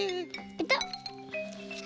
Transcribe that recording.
ペタッ。